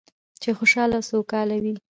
چې خوشحاله او سوکاله وي.